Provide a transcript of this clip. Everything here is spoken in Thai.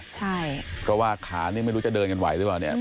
ใช่เพราะว่าขานี่ไม่รู้จะเดินกันไหวหรือเปล่าเนี่ย